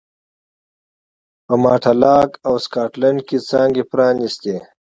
په ماټلاک او سکاټلنډ کې څانګې پرانېستې.